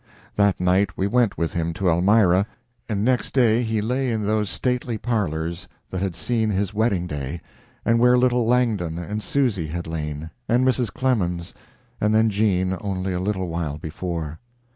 That night we went with him to Elmira, and next day he lay in those stately parlors that had seen his wedding day, and where little Langdon and Susy had lain, and Mrs. Clemens, and then Jean, only a little while before.